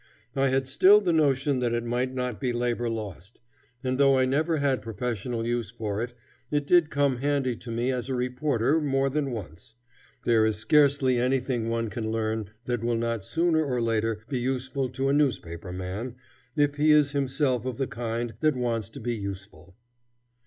I had still the notion that it might not be labor lost. And though I never had professional use for it, it did come handy to me as a reporter more than once. There is scarcely anything one can learn that will not sooner or later be useful to a newspaper man, if he is himself of the kind that wants to be useful.